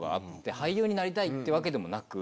俳優になりたいってわけでもなく。